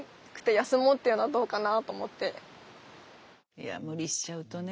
いや無理しちゃうとね。